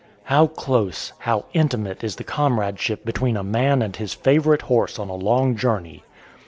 How close, how intimate is the comradeship between a man and his favourite horse on a long journey.